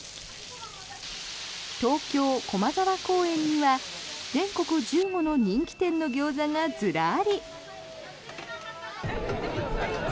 東京・駒沢公園には全国１５の人気店のギョーザがずらり。